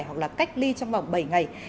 hoặc là cách ly trong vòng bảy ngày